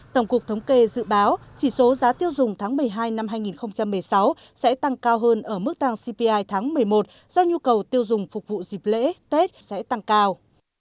tổng cục thống kê dự báo chỉ số giá tiêu dùng tháng một mươi hai năm hai nghìn một mươi sáu sẽ tăng cao hơn ở mức tăng cpi tháng một mươi một do nhu cầu tiêu dùng phục vụ dịp lễ tết sẽ tăng cao